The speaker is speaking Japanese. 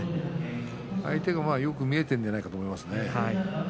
相手がよく見えているんだと思います。